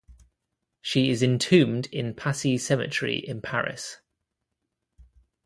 She is entombed in Passy Cemetery in Paris.